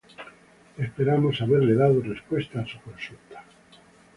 Esperamos haberle dado respuesta a su consulta.